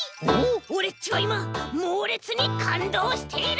オレっちはいまもうれつにかんどうしている！